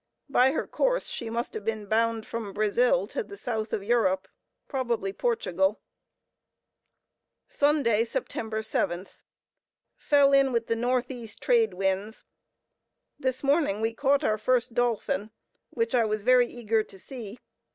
By her course, she must have been bound from Brazil to the south of Europe, probably Portugal. Sunday, Sept. 7th. Fell in with the northeast trade winds. This morning we caught our first dolphin, which I was very eager to see.